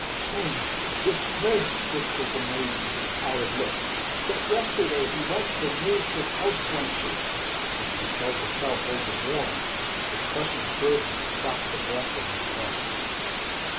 "Shame, disgrace," whispered the maiden, with pallid lips, "that yesterday he went from me to house wenches!" and she felt herself overborne. A crushing burden stopped the breath in her breast.